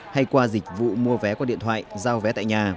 hay qua dịch vụ mua vé qua điện thoại giao vé tại nhà